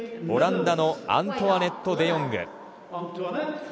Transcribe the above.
オランダのアントワネット・デ・ヨング。